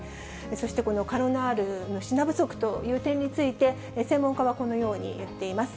そして、このカロナールの品不足という点について、専門家はこのように言っています。